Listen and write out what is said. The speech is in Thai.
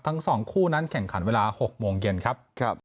ทั้ง๒คู่นั้นแข่งขันเวลา๖โมงเย็นครับ